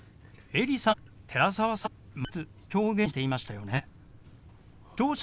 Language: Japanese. エリさんは寺澤さんに「待つ」と表現していましたよね。